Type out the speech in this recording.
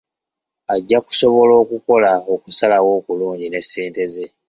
Ajja kusobola okukola okusalawo okulungi ne ssente ze.